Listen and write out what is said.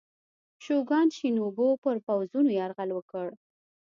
شوګان شینوبو پر پوځونو یرغل وکړ.